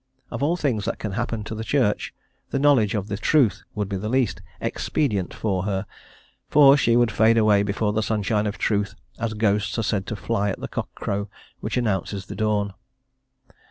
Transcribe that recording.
Of all things that can happen to the Church, the knowledge of the truth would be the least "expedient for" her, for she would fade away before the sunshine of truth as ghosts are said to fly at the cockcrow which announces the dawn.